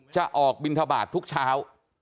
จะออกบินทบาททุกเช้า